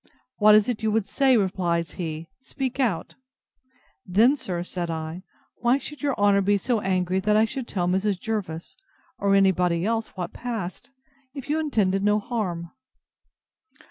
What is it you would say? replies he; speak out. Then, sir, said I, why should your honour be so angry I should tell Mrs. Jervis, or any body else, what passed, if you intended no harm?